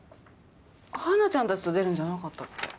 華ちゃんたちと出るんじゃなかったっけ？